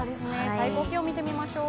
最高気温、見てみましょう。